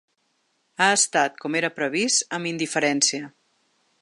Ha estat, com era previst, amb indiferència.